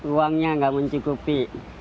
uangnya nggak mencukupi